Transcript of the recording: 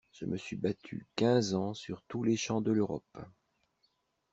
Je me suis battu quinze ans sur tous les champs de l'Europe!